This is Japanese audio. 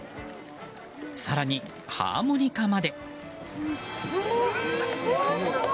更に、ハーモニカまで。